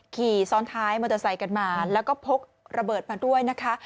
ขี่ซ้อนท้ายมอเตอร์ไซค์กันมาแล้วก็พกระเบิดมาด้วยนะคะ